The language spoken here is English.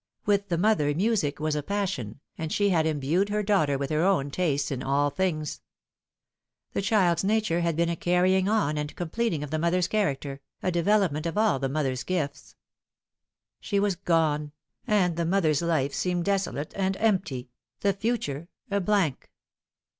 With the mother music was a passion, and she had imbued her daughter with her own tastes in all things. The child's nature had been a carrying on and completing of the mother's character, a development of all the mother's gifts. She was gone, and the mother's life seemed desolate and empty the future a blank.